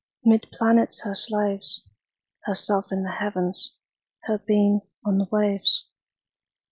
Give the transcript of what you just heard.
'Mid planets her slaves, Herself in the Heavens, Her beam on the waves.